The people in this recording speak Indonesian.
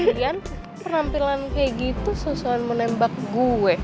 lagian penampilan kayak gitu susah susah menembak gue